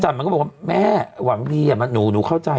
มันก็บอกว่าแม่หวังดีหนูเข้าใจ